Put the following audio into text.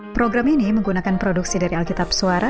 program ini menggunakan produksi dari alkitab suara